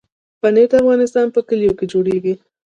پنېر د افغانستان په کلیو کې جوړېږي.